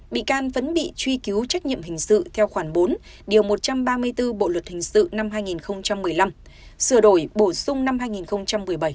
bị can vẫn bị truy cứu trách nhiệm hình sự theo khoản bốn điều một trăm ba mươi bốn bộ luật hình sự năm hai nghìn một mươi năm sửa đổi bổ sung năm hai nghìn một mươi bảy